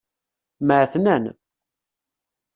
Mɛetnan.